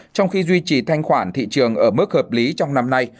trong khi duy trì thanh khoản thị trường ở mức hợp lý trong năm nay